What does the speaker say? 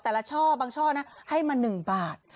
แต่ละช่อบางช่อให้มา๑บาท